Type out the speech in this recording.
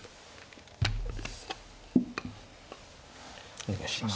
お願いします。